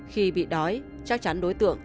khi bị đói chắc chắn đối tượng